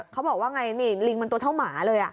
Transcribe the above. เขาบอกว่าไงนี่ลิงมันตัวเท่าหมาเลย